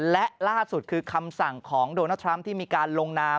และล่าสุดคือคำสั่งของโดนัลดทรัมป์ที่มีการลงนาม